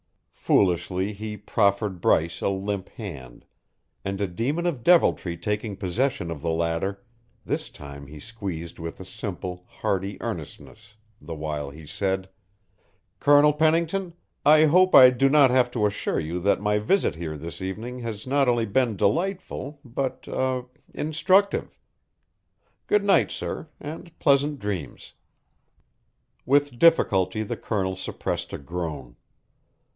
Foolishly he proffered Bryce a limp hand; and a demon of deviltry taking possession of the latter, this time he squeezed with a simple, hearty earnestness, the while he said: "Colonel Pennington, I hope I do not have to assure you that my visit here this evening has not only been delightful but er instructive. Good night, sir, and pleasant dreams." With difficulty the Colonel suppressed a groan.